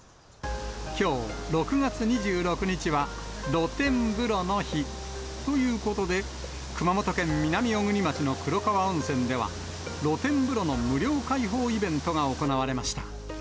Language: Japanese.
きょう６月２６日は、露天風呂の日。ということで、熊本県南小国町の黒川温泉では、露天風呂の無料開放イベントが行われました。